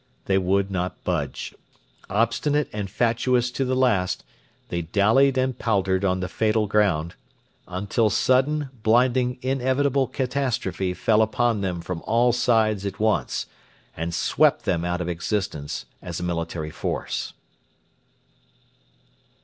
They would not budge. Obstinate and fatuous to the last, they dallied and paltered on the fatal ground, until sudden, blinding, inevitable catastrophe fell upon them from all sides at once, and swept them out of existence as a military force.